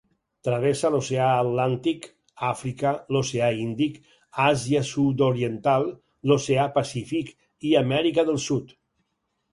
Travessa l’oceà Atlàntic, Àfrica, l’oceà Índic, Àsia sud-oriental, l’oceà Pacífic, i Amèrica del Sud.